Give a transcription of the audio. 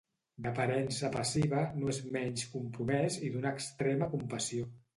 D'aparença passiva, no és menys compromès i d'una extrema compassió.